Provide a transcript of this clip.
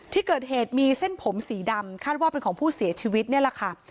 ที่เกิดเหตุมีเส้นผมสีดำคาดว่าเป็นของผู้เสียชีวิตนี่แหละค่ะ